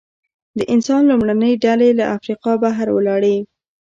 د انسان لومړنۍ ډلې له افریقا بهر ولاړې.